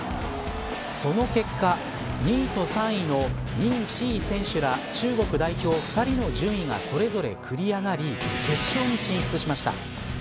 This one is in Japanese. その結果２位と３位の任子威選手ら中国代表の２人の選手がそれぞれ繰り上がり決勝に進出しました。